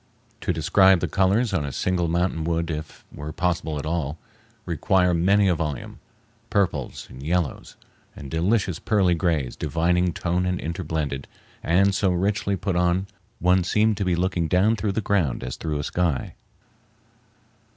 To describe the colors on a single mountain would, if it were possible at all, require many a volume—purples, and yellows, and delicious pearly grays divinely toned and interblended, and so richly put on one seemed to be looking down through the ground as through a sky.